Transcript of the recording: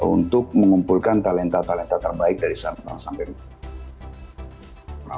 untuk mengumpulkan talenta talenta terbaik dari seluruh bangsa indonesia